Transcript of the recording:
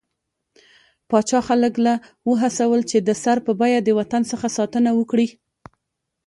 پاچا خلک له وهڅول، چې د سر په بيه د وطن څخه ساتنه وکړي.